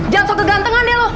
jangan sok kegantengan deh lo